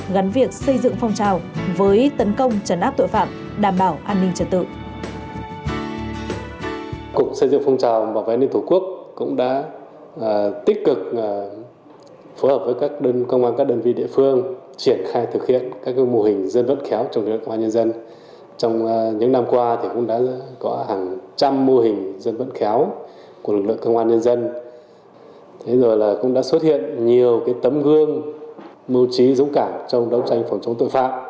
gắn việc xây dựng phong trào với tấn công trấn áp tội phạm đảm bảo an ninh trật tự